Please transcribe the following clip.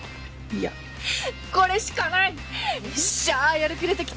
いやこれしかないよっしゃやる気出てきた！